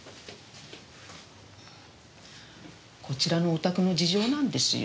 こちらのお宅の事情なんですよ。